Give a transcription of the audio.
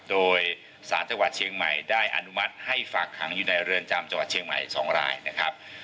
โดยสารจังหวัดเชียงใหม่ได้อนุมัติให้ฝากขังอยู่ในเรือนจำจังหวัดเชียงใหม่๒รายนะครับ